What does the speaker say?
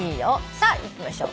さあいきましょう。